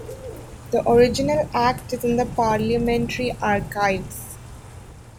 The original act is in the Parliamentary Archives.